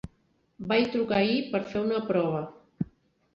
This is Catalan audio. Vaig trucar ahir per fer una prova.